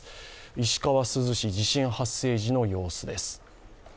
石川・珠洲市、地震発生時の様子です。